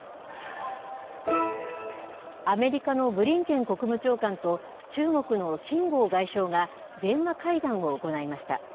アメリカのブリンケン国務長官と中国の秦剛外相が、電話会談を行いました。